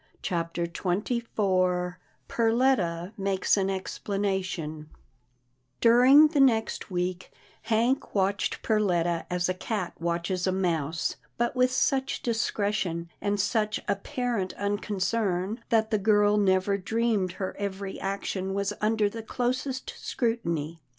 CHAPTER XXIV PERLETTA MAKES AN EXPLANATION During the next week, Hank watched Perletta as a cat watches a mouse, but with such discretion, and such apparent unconcern, that the girl never dreamed her every action was under the closest scrutiny.